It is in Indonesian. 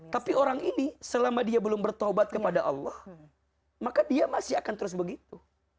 tapi orang ini selama dia belum bertobat kepada allah maka dia masih akan terus begitu